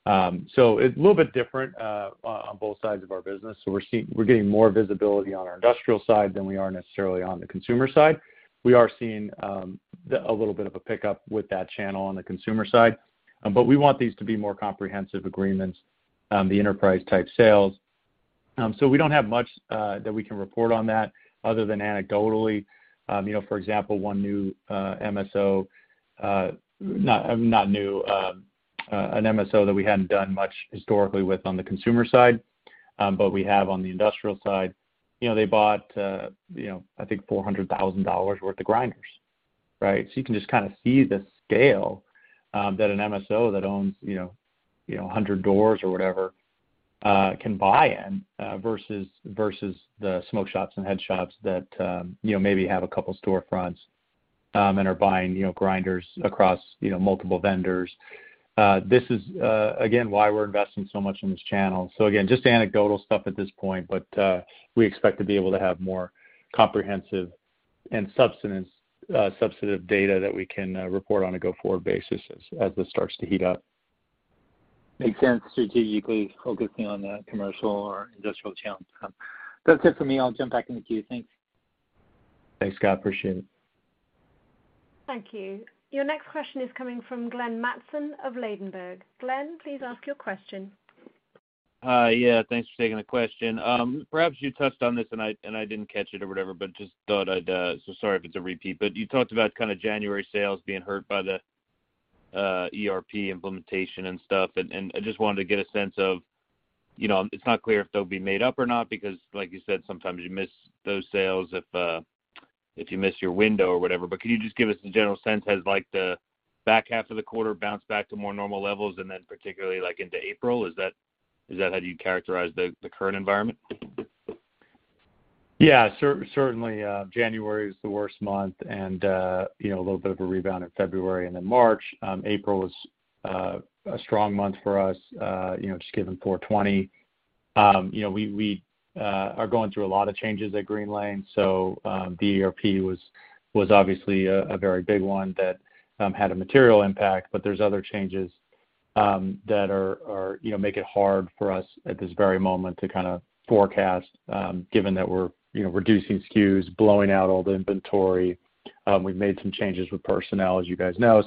It's a little bit different on both sides of our business. We're getting more visibility on our industrial side than we are necessarily on the consumer side. We are seeing a little bit of a pickup with that channel on the consumer side, but we want these to be more comprehensive agreements, the enterprise type sales. We don't have much that we can report on that other than anecdotally. You know, for example, one new MSO, not new, an MSO that we hadn't done much historically with on the consumer side, but we have on the industrial side. You know, they bought you know I think $400,000 worth of grinders, right? You can just kind of see the scale that an MSO that owns, you know, 100 doors or whatever, can buy in versus the smoke shops and head shops that, you know, maybe have a couple store fronts and are buying, you know, grinders across, you know, multiple vendors. This is again why we're investing so much in this channel. Again, just anecdotal stuff at this point, but we expect to be able to have more comprehensive and substantive data that we can report on a go-forward basis as this starts to heat up. Makes sense. Strategically focusing on the commercial or industrial channels. That's it for me. I'll jump back into queue. Thanks. Thanks, Scott. Appreciate it. Thank you. Your next question is coming from Glenn Mattson of Ladenburg. Glenn, please ask your question. Yeah, thanks for taking the question. Perhaps you touched on this and I didn't catch it or whatever, but I just thought I'd. Sorry if it's a repeat, but you talked about kind of January sales being hurt by the ERP implementation and stuff. I just wanted to get a sense of, you know, it's not clear if they'll be made up or not because like you said, sometimes you miss those sales if you miss your window or whatever. Could you just give us a general sense, has like the back half of the quarter bounced back to more normal levels and then particularly like into April? Is that how you'd characterize the current environment? Certainly, January is the worst month and, you know, a little bit of a rebound in February and then March. April was a strong month for us, you know, just given 4/20. You know, we are going through a lot of changes at Greenlane, so the ERP was obviously a very big one that had a material impact. But there's other changes that are, you know, make it hard for us at this very moment to kind of forecast, given that we're, you know, reducing SKUs, blowing out all the inventory. We've made some changes with personnel, as you guys know.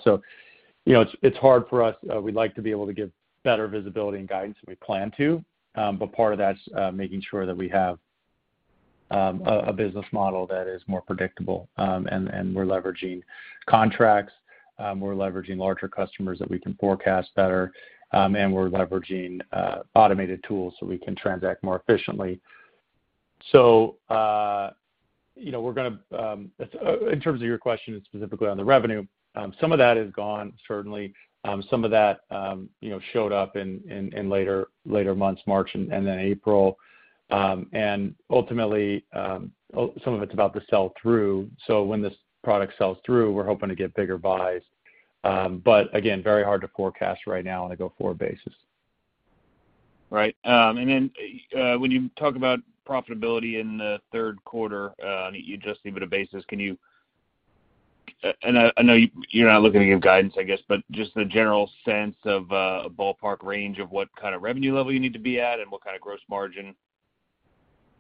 You know, it's hard for us. We'd like to be able to give better visibility and guidance, and we plan to, but part of that's making sure that we have a business model that is more predictable. We're leveraging contracts, we're leveraging larger customers that we can forecast better, and we're leveraging automated tools so we can transact more efficiently. You know, we're gonna, in terms of your question specifically on the revenue, some of that is gone certainly. Some of that you know showed up in later months, March and then April. Ultimately some of it's about to sell through, so when this product sells through, we're hoping to get bigger buys. Again, very hard to forecast right now on a go-forward basis. Right. Then, when you talk about profitability in the Q3, you adjusted EBITDA basis, and I know you're not looking to give guidance I guess, but just the general sense of a ballpark range of what kind of revenue level you need to be at and what kind of gross margin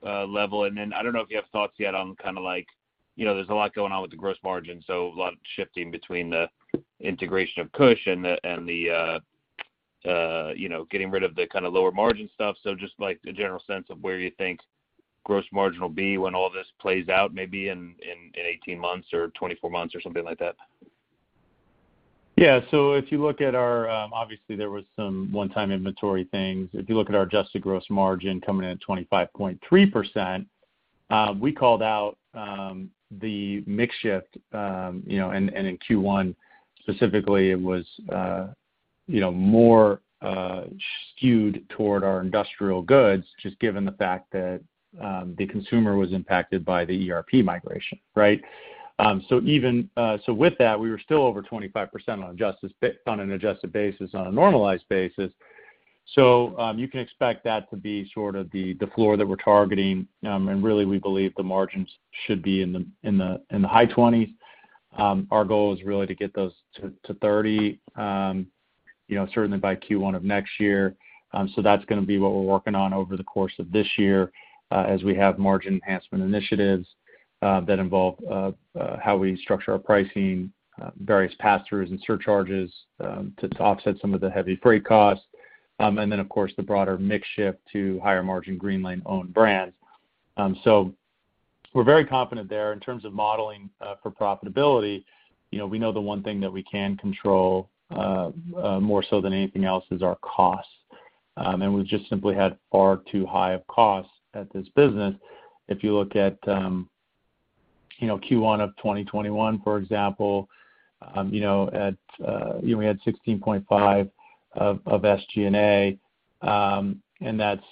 level. I don't know if you have thoughts yet on kind of like, you know, there's a lot going on with the gross margin, so a lot shifting between the integration of KushCo and the, you know, getting rid of the kind of lower margin stuff. Just like a general sense of where you think gross margin will be when all this plays out maybe in 18 months or 24 months or something like that. Yeah. If you look at our, obviously there was some one-time inventory things. If you look at our adjusted gross margin coming in at 25.3%, we called out the mix shift, you know, and in Q1 specifically it was more skewed toward our industrial goods just given the fact that the consumer was impacted by the ERP migration, right? Even so with that we were still over 25% on an adjusted basis, on a normalized basis. You can expect that to be sort of the floor that we're targeting. Really we believe the margins should be in the high twenties. Our goal is really to get those to 30, you know, certainly by Q1 of next year. That's gonna be what we're working on over the course of this year, as we have margin enhancement initiatives that involve how we structure our pricing, various pass-throughs and surcharges, to offset some of the heavy freight costs. Of course, the broader mix shift to higher margin Greenlane-owned brands. We're very confident there in terms of modeling for profitability. You know, we know the one thing that we can control more so than anything else is our costs. We've just simply had far too high of costs at this business. If you look at, you know, Q1 of 2021, for example, you know, we had 16.5% SG&A, and that's,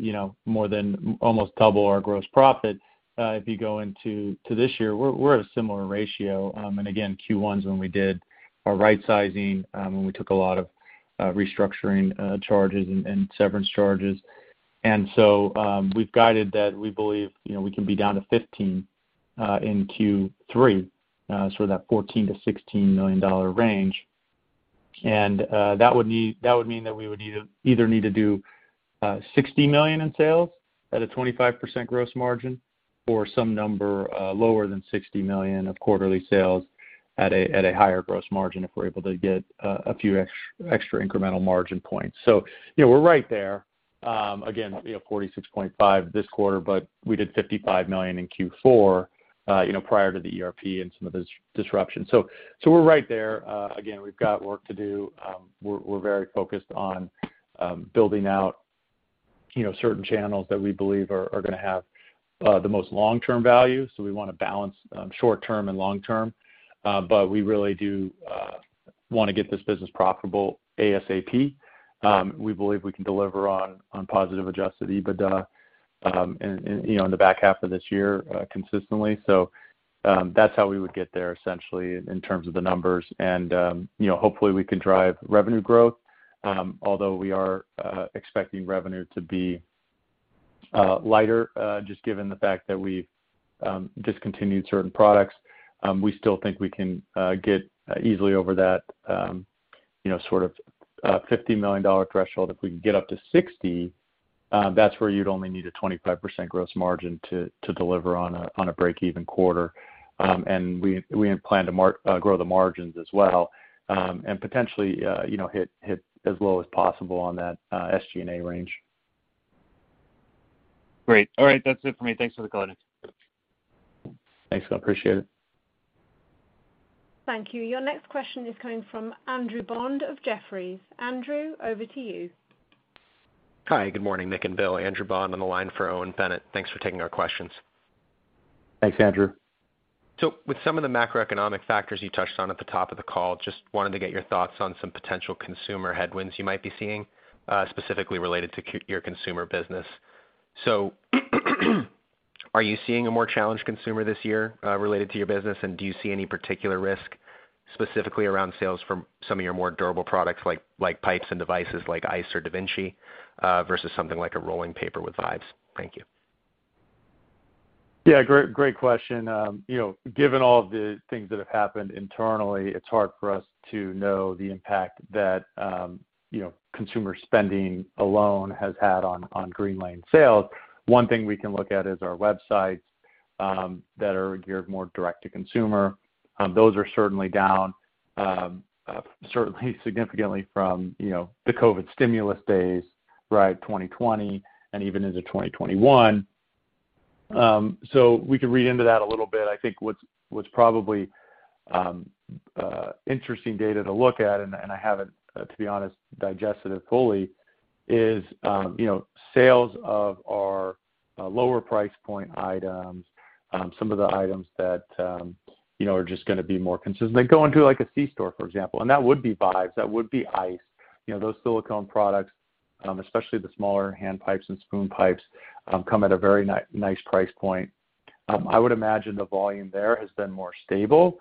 you know, more than almost double our gross profit. If you go into this year, we're at a similar ratio. Again, Q1 is when we did our right-sizing, when we took a lot of restructuring charges and severance charges. We've guided that we believe, you know, we can be down to $15 million in Q3, so that $14 million-$16 million range. That would mean that we would either need to do $60 million in sales at a 25% gross margin or some number lower than $60 million of quarterly sales at a higher gross margin if we're able to get a few extra incremental margin points. You know, we're right there. Again, you know, $46.5 million this quarter, but we did $55 million in Q4, you know, prior to the ERP and some of the disruption. We're right there. Again, we've got work to do. We're very focused on building out, you know, certain channels that we believe are gonna have the most long-term value. We wanna balance short term and long term. We really do wanna get this business profitable ASAP. We believe we can deliver on positive adjusted EBITDA, you know, in the back half of this year, consistently. That's how we would get there essentially in terms of the numbers. Hopefully we can drive revenue growth, although we are expecting revenue to be lighter, just given the fact that we've discontinued certain products. We still think we can get easily over that, you know, sort of $50 million threshold. If we can get up to $60 million, that's where you'd only need a 25% gross margin to deliver on a break-even quarter. We had planned to grow the margins as well, and potentially, you know, hit as low as possible on that SG&A range. Great. All right, that's it for me. Thanks for the call, Nick. Thanks. I appreciate it. Thank you. Your next question is coming from Andrew Bond of Jefferies. Andrew, over to you. Hi, good morning, Nick and Bill. Andrew Bond on the line for Owen Bennett. Thanks for taking our questions. Thanks, Andrew. With some of the macroeconomic factors you touched on at the top of the call, just wanted to get your thoughts on some potential consumer headwinds you might be seeing, specifically related to your consumer business. Are you seeing a more challenged consumer this year, related to your business? And do you see any particular risk specifically around sales from some of your more durable products like pipes and devices like Eyce or DaVinci, versus something like a rolling paper with VIBES? Thank you. Yeah, great question. You know, given all of the things that have happened internally, it's hard for us to know the impact that, you know, consumer spending alone has had on Greenlane sales. One thing we can look at is our websites that are geared more direct to consumer. Those are certainly down, certainly significantly from, you know, the COVID stimulus days, right, 2020 and even into 2021. We could read into that a little bit. I think what's probably interesting data to look at, and I haven't, to be honest, digested it fully, is, you know, sales of our lower price point items, some of the items that, you know, are just gonna be more consistent. They go into like a C store, for example, and that would be VIBES, that would be Eyce. You know, those silicone products, especially the smaller hand pipes and spoon pipes, come at a very nice price point. I would imagine the volume there has been more stable,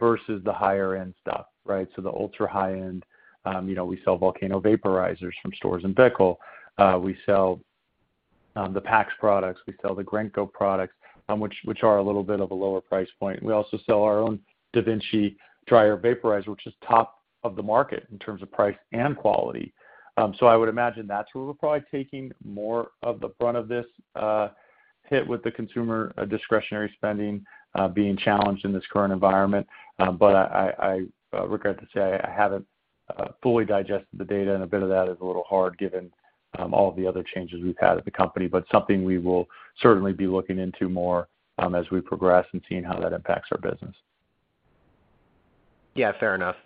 versus the higher end stuff, right? The ultra high end, you know, we sell Volcano vaporizers from Storz & Bickel. We sell the PAX products. We sell the Grenco products, which are a little bit of a lower price point. We also sell our own DaVinci dry herb vaporizer, which is top of the market in terms of price and quality. I would imagine that's where we're probably taking more of the brunt of this hit with the consumer discretionary spending being challenged in this current environment. I regret to say I haven't fully digested the data, and a bit of that is a little hard given all the other changes we've had at the company, but something we will certainly be looking into more as we progress and seeing how that impacts our business. Yeah, fair enough.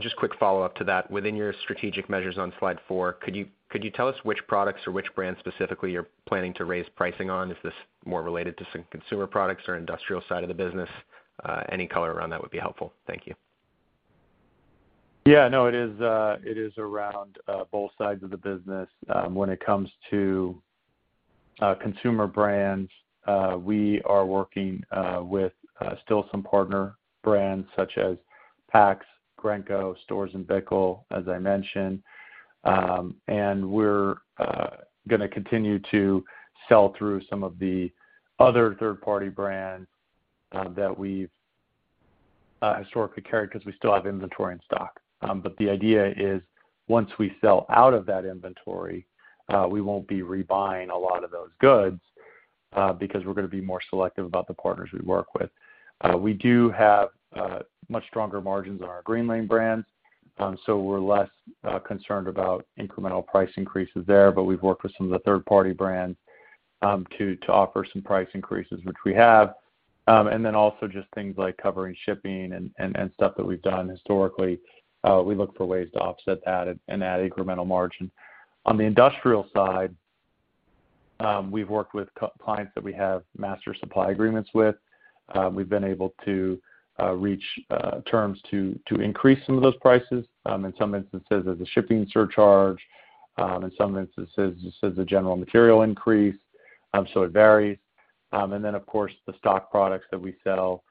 Just quick follow-up to that. Within your strategic measures on slide 4, could you tell us which products or which brands specifically you're planning to raise pricing on? Is this more related to some consumer products or industrial side of the business? Any color around that would be helpful. Thank you. Yeah, no, it is around both sides of the business. When it comes to consumer brands, we are working with still some partner brands such as PAX, Grenco, Storz & Bickel, as I mentioned. We're gonna continue to sell through some of the other third-party brands that we've historically carried because we still have inventory in stock. The idea is once we sell out of that inventory, we won't be rebuying a lot of those goods because we're gonna be more selective about the partners we work with. We do have much stronger margins on our Greenlane brands, so we're less concerned about incremental price increases there. We've worked with some of the third-party brands to offer some price increases, which we have. Also just things like covering shipping and stuff that we've done historically. We look for ways to offset that and add incremental margin. On the industrial side, we've worked with key clients that we have master supply agreements with. We've been able to reach terms to increase some of those prices, in some instances as a shipping surcharge, in some instances just as a general material increase, so it varies. Of course the stock products that we sell,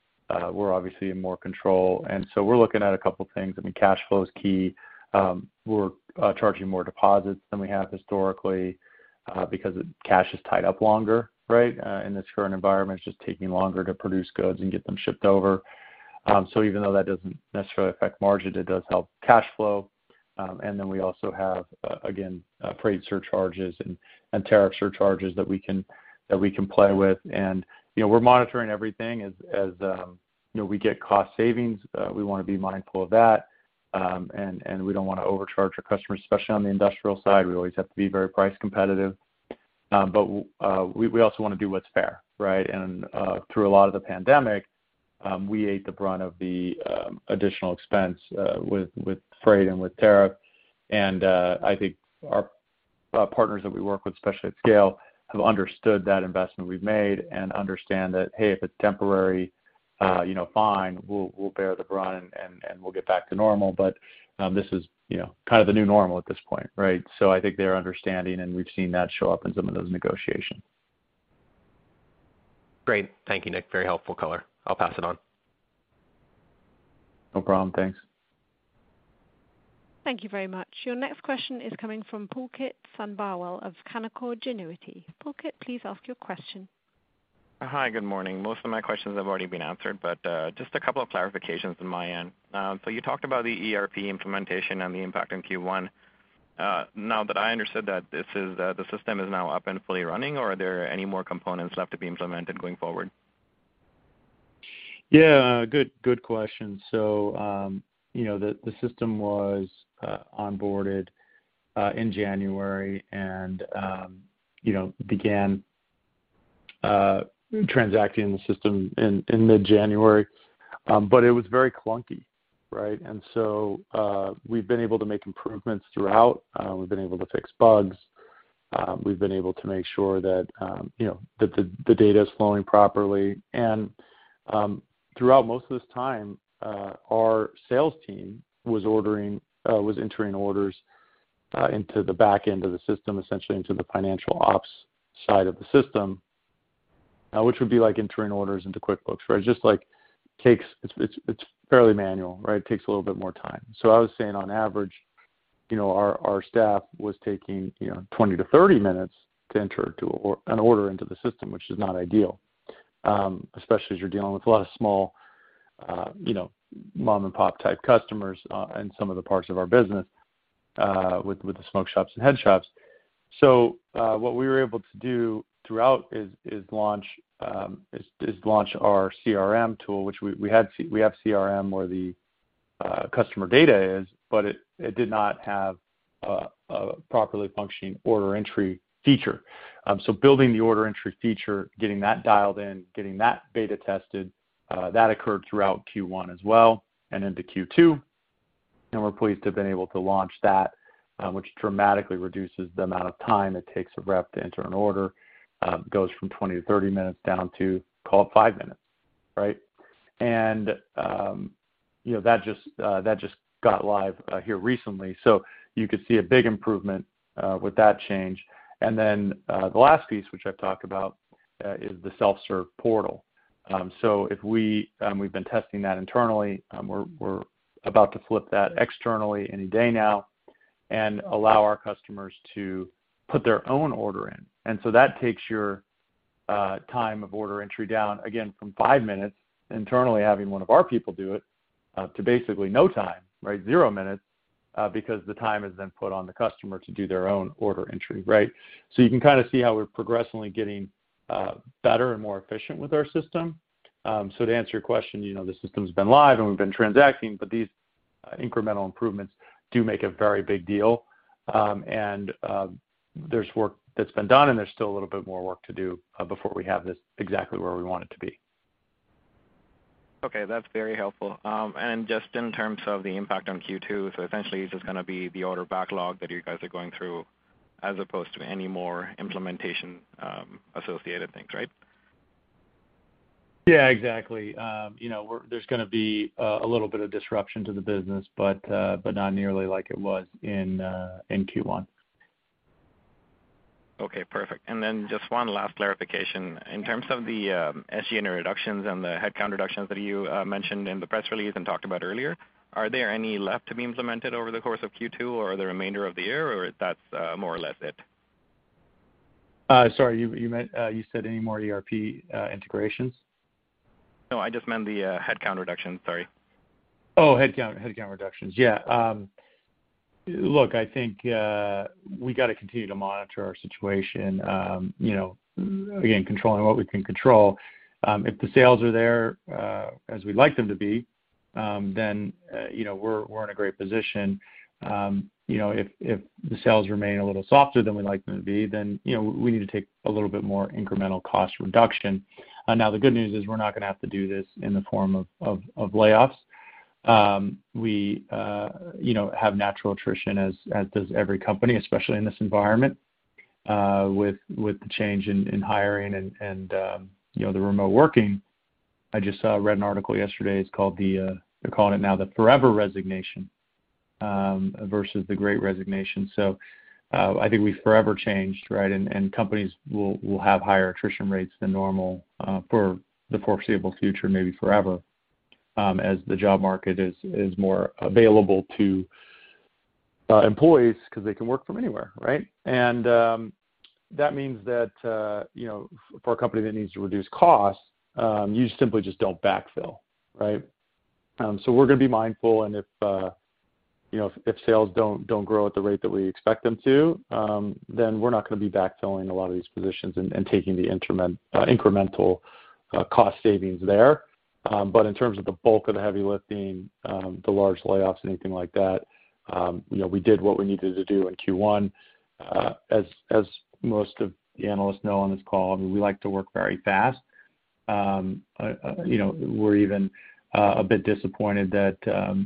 we're obviously in more control. We're looking at a couple things. I mean, cash flow is key. We're charging more deposits than we have historically, because cash is tied up longer, right? In this current environment, it's just taking longer to produce goods and get them shipped over. Even though that doesn't necessarily affect margin, it does help cash flow. We also have freight surcharges and tariff surcharges that we can play with. You know, we're monitoring everything as we get cost savings, we wanna be mindful of that. We don't wanna overcharge our customers, especially on the industrial side. We always have to be very price competitive. We also wanna do what's fair, right? Through a lot of the pandemic, we ate the brunt of the additional expense with freight and with tariff. I think our partners that we work with, especially at scale, have understood that investment we've made and understand that, hey, if it's temporary, you know, fine. We'll bear the brunt and we'll get back to normal. This is, you know, kind of the new normal at this point, right? I think they're understanding, and we've seen that show up in some of those negotiations. Great. Thank you, Nick. Very helpful color. I'll pass it on. No problem. Thanks. Thank you very much. Your next question is coming from Pulkit Sabharwal of Canaccord Genuity. Pulkit, please ask your question. Hi, good morning. Most of my questions have already been answered, but just a couple of clarifications on my end. You talked about the ERP implementation and the impact in Q1. Now that I understood that this is, the system is now up and fully running or are there any more components left to be implemented going forward? Yeah. Good question. You know, the system was onboarded in January and you know began transacting the system in mid-January. But it was very clunky, right? We've been able to make improvements throughout. We've been able to fix bugs. We've been able to make sure that you know that the data is flowing properly. Throughout most of this time, our sales team was entering orders into the back end of the system, essentially into the financial ops side of the system, which would be like entering orders into QuickBooks, right? It's fairly manual, right? It takes a little bit more time. I was saying on average, you know, our staff was taking, you know, 20-30 minutes to enter an order into the system, which is not ideal. Especially as you're dealing with a lot of small, you know, mom-and-pop type customers in some of the parts of our business with the smoke shops and head shops. What we were able to do throughout is launch our CRM tool. We have CRM where the customer data is, but it did not have a properly functioning order entry feature. Building the order entry feature, getting that dialed in, getting that beta tested, that occurred throughout Q1 as well and into Q2. We're pleased to have been able to launch that, which dramatically reduces the amount of time it takes a rep to enter an order. It goes from 20-30 minutes down to call it 5 minutes, right? You know, that just got live here recently, so you could see a big improvement with that change. The last piece which I've talked about is the self-serve portal. We've been testing that internally. We're about to flip that externally any day now and allow our customers to put their own order in. That takes your time of order entry down, again, from five minutes internally having one of our people do it to basically no time, right? Zero minutes, because the time is then put on the customer to do their own order entry, right? You can kinda see how we're progressively getting better and more efficient with our system. To answer your question, you know, the system's been live and we've been transacting, but these incremental improvements do make a very big deal. There's work that's been done, and there's still a little bit more work to do, before we have this exactly where we want it to be. Okay, that's very helpful. Just in terms of the impact on Q2, so essentially it's just gonna be the order backlog that you guys are going through as opposed to any more implementation, associated things, right? Yeah, exactly. You know, there's gonna be a little bit of disruption to the business, but not nearly like it was in Q1. Okay, perfect. Just one last clarification. In terms of the SG&A reductions and the headcount reductions that you mentioned in the press release and talked about earlier, are there any left to be implemented over the course of Q2 or the remainder of the year, or that's more or less it? Sorry, you said any more ERP integrations? No, I just meant the headcount reduction. Sorry. Oh, headcount reductions. Yeah. Look, I think we gotta continue to monitor our situation. You know, again, controlling what we can control. If the sales are there as we'd like them to be, then you know, we're in a great position. You know, if the sales remain a little softer than we'd like them to be, then you know, we need to take a little bit more incremental cost reduction. Now, the good news is we're not gonna have to do this in the form of layoffs. We you know, have natural attrition as does every company, especially in this environment, with the change in hiring and you know, the remote working. I just read an article yesterday, it's called the, they're calling it now the forever resignation, versus the great resignation. I think we've forever changed, right? Companies will have higher attrition rates than normal, for the foreseeable future, maybe forever, as the job market is more available to employees 'cause they can work from anywhere, right? That means that, you know, for a company that needs to reduce costs, you simply just don't backfill, right? We're gonna be mindful, and if, you know, if sales don't grow at the rate that we expect them to, then we're not gonna be backfilling a lot of these positions and taking the incremental cost savings there. In terms of the bulk of the heavy lifting, the large layoffs, anything like that, you know, we did what we needed to do in Q1. As most of the analysts know on this call, I mean, we like to work very fast. You know, we're even a bit disappointed that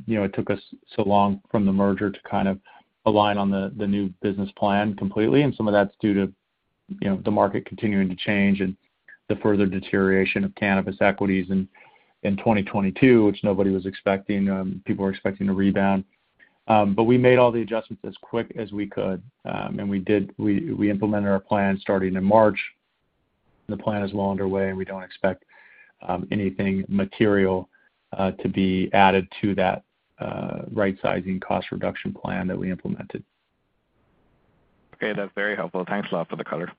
you know, it took us so long from the merger to kind of align on the new business plan completely, and some of that's due to you know, the market continuing to change and the further deterioration of cannabis equities in 2022, which nobody was expecting. People were expecting a rebound. We made all the adjustments as quick as we could. We implemented our plan starting in March. The plan is well underway, and we don't expect anything material to be added to that right-sizing cost reduction plan that we implemented. Okay. That's very helpful. Thanks a lot for the color.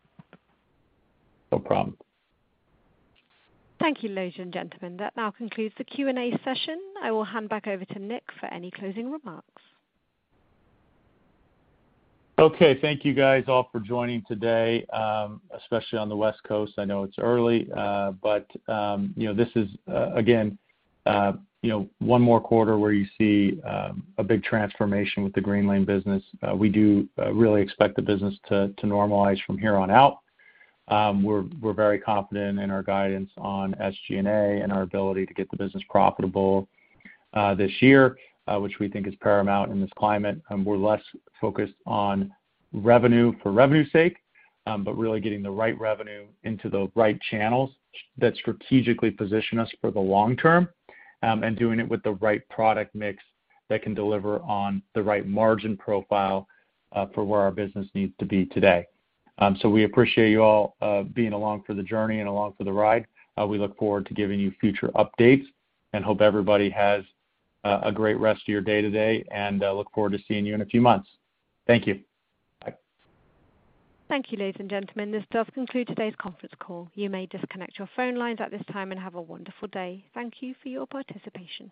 No problem. Thank you, ladies and gentlemen. That now concludes the Q&A session. I will hand back over to Nick for any closing remarks. Okay. Thank you guys all for joining today, especially on the West Coast. I know it's early, but you know, this is again you know one more quarter where you see a big transformation with the Greenlane business. We do really expect the business to normalize from here on out. We're very confident in our guidance on SG&A and our ability to get the business profitable this year, which we think is paramount in this climate. We're less focused on revenue for revenue's sake, but really getting the right revenue into the right channels that strategically position us for the long term, and doing it with the right product mix that can deliver on the right margin profile for where our business needs to be today. We appreciate you all being along for the journey and along for the ride. We look forward to giving you future updates and hope everybody has a great rest of your day today, and look forward to seeing you in a few months. Thank you. Bye. Thank you, ladies and gentlemen. This does conclude today's conference call. You may disconnect your phone lines at this time and have a wonderful day. Thank you for your participation.